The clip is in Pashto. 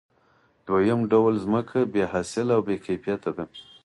دویم ډول ځمکه بې حاصله او بې کیفیته ده